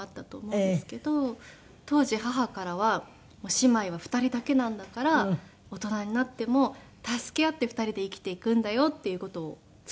当時母からは姉妹は２人だけなんだから大人になっても助け合って２人で生きていくんだよっていう事を常に言われていて。